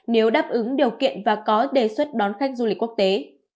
nếu đáp ứng điều kiện và có đề xuất đón khách du lịch quốc tế